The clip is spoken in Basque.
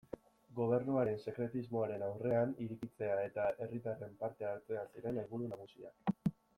Gobernuaren sekretismoaren aurrean, irekitzea eta herritarren parte-hartzea ziren helburu nagusiak.